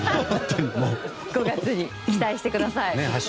５月に期待してください。